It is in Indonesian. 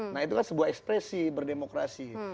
nah itu kan sebuah ekspresi berdemokrasi